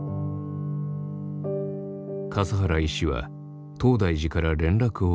笠原医師は東大寺から連絡を受けた。